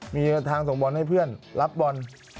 มีทางส่งบอลให้เพื่อนรับบอล